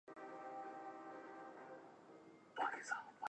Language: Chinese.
新建的巴姆郡将执行更严格的抗震规定。